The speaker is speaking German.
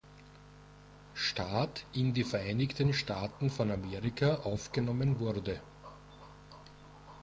Staat in die Vereinigten Staaten von Amerika aufgenommen wurde.